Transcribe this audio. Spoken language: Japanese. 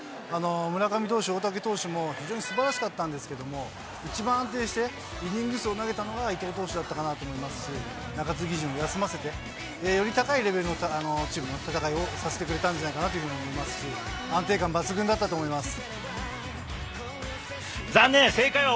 村上投手、大竹投手も、非常にすばらしかったんですけれども、一番安定してイニング数を投げたのが伊藤投手だったと思うし、中継ぎ陣を休ませて、より高いレベルのチームの戦いをさせてくれたんじゃないかなと思いますし、安定感抜群だったと思います。